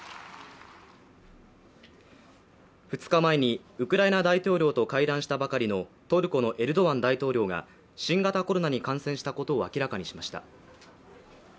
２日前にウクライナ大統領と会談したばかりのトルコのエルドアン大統領が新型コロナに感染したことを明らかにしました。